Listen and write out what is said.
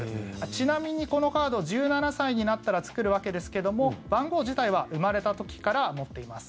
ちなみに、このカード１７歳になったら作るわけですけども番号自体は生まれた時から持っています。